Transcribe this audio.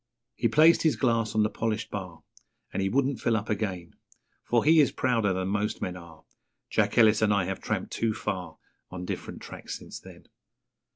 He placed his glass on the polished bar, And he wouldn't fill up again; For he is prouder than most men are Jack Ellis and I have tramped too far On different tracks since then.